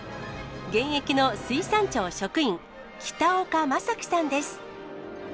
現役の水産庁職員、北岡雅紀さんです。